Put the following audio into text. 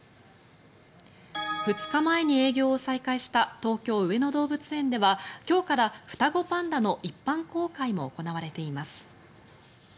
２日前に営業を再開した東京・上野動物園では今日から双子パンダの一般公開も行われています。